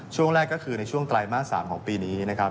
ช่วงแรกก็คือในช่วงไตรมาส๓ของปีนี้นะครับ